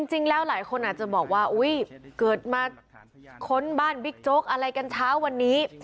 หลายคนอาจจะบอกว่าอุ๊ยเกิดมาค้นบ้านบิ๊กโจ๊กอะไรกันเช้าวันนี้